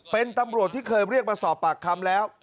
เป็นตำรวจที่เคยเรียกมาสอบปากคำแล้ว